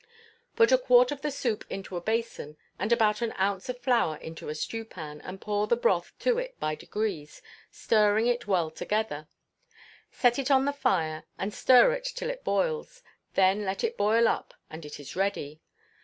Put a quart of the soup into a basin, and about an ounce of flour into a stewpan, and pour the broth to it by degrees, stirring it well together; set it on the fire, and stir it till it boils, then let it boil up, and it is ready.